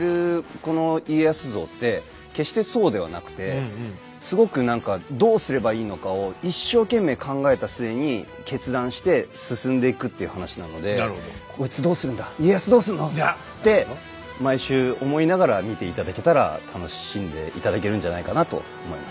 この家康像って決してそうではなくてすごく何かどうすればいいのかを一生懸命考えた末に決断して進んでいくっていう話なので「こいつどうするんだ⁉」「家康どうすんの⁉」って毎週思いながら見て頂けたら楽しんで頂けるんじゃないかなと思います。